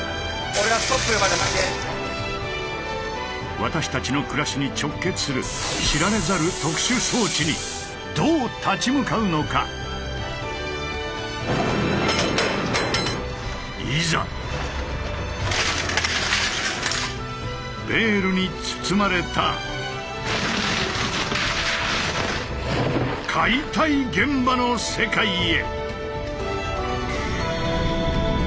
私たちの暮らしに直結する知られざる特殊装置にどう立ち向かうのか⁉いざベールに包まれた解体現場の世界へ！